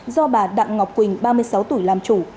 do bà đặng ngọc quỳnh ba mươi sáu tuổi làm chủ